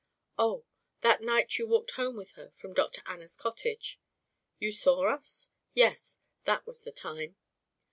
"Oh! That night you walked home with her from Dr. Anna's cottage?" "You saw us? Yes, that was the time."